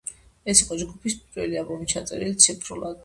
ეს იყო ჯგუფის პირველი ალბომი, ჩაწერილი ციფრულად.